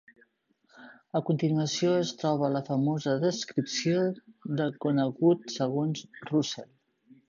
A continuació es troba la famosa descripció de conegut segons Russell.